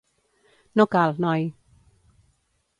No cal, noi.